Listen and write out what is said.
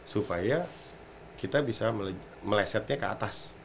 supaya kita bisa melesetnya ke atas